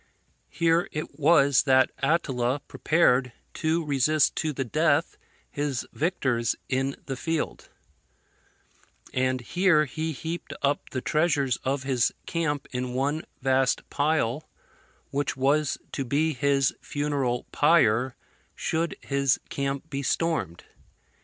Here it was that Attila prepared to resist to the death his victors in the field; and here he heaped up the treasures of his camp in one vast pile, which was to be his funeral pyre should his camp be stormed.